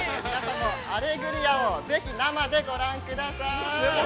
◆アレグリアをぜひ生でご覧ください。